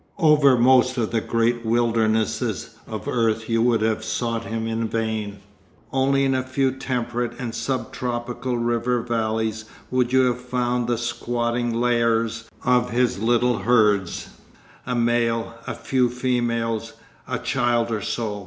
Over most of the great wildernesses of earth you would have sought him in vain; only in a few temperate and sub tropical river valleys would you have found the squatting lairs of his little herds, a male, a few females, a child or so.